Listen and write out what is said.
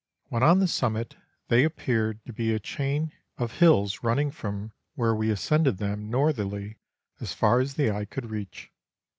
When on the summit they appeared to be a chain of hills running from where we ascended them northerly as far as the eye could reach.